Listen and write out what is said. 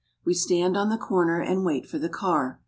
We stand on the corner and wait for the car.